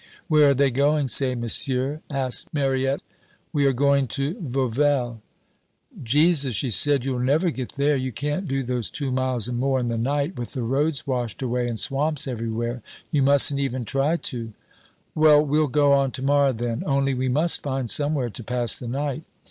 "'Where are they going, ces messieurs?' asked Manette. "'We are going to Vauvelles.' "'Jesus!' she said, 'you'll never get there. You can't do those two miles and more in the night, with the roads washed away, and swamps everywhere. You mustn't even try to.' "'Well, we'll go on to morrow, then; only we must find somewhere to pass the night.'